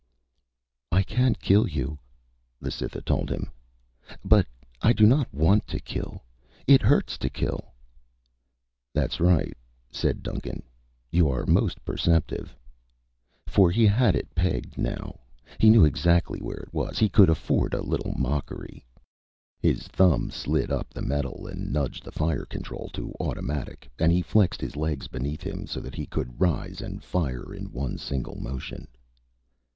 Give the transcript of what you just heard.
"I can kill you," the Cytha told him. "But I do not want to kill. It hurts to kill." "That's right," said Duncan. "You are most perceptive." For he had it pegged now. He knew exactly where it was. He could afford a little mockery. His thumb slid up the metal and nudged the fire control to automatic and he flexed his legs beneath him so that he could rise and fire in one single motion.